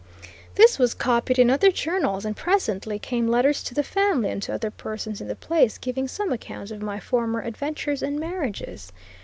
This was copied in other journals, and presently came letters to the family and to other persons in the place, giving some account of my former adventures and marriages.